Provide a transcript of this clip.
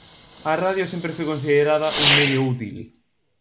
A radio sempre foi considerada un medio útil.